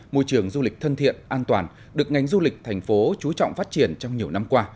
môi trường du lịch thân thiện an toàn được ngành du lịch thành phố chú trọng phát triển trong nhiều năm qua